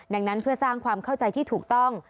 ดังนั้นเพื่อสร้างความเข้าใจที่ถูกต้อง